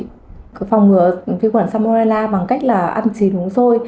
mình phòng ngừa viên khuẩn salmonella bằng cách là ăn chín uống sôi